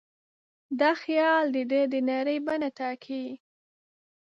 دا خیال د ده د نړۍ بڼه ټاکي.